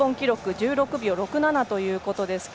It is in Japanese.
１６秒６７ということですが